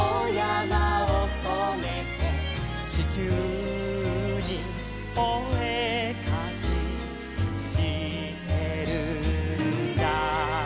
「ちきゅうにおえかきしてるんだ」